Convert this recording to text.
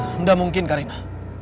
tidak mungkin karina